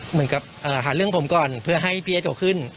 เหมือนกับหาเรื่องผมก่อนเพื่อให้พี่เอสโตขึ้น